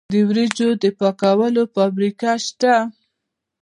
د وریجو د پاکولو فابریکې شته.